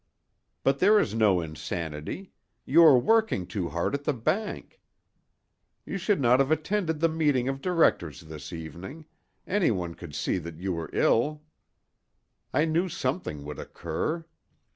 But there is no insanity; you are working too hard at the bank. You should not have attended the meeting of directors this evening; any one could see that you were ill; I knew something would occur."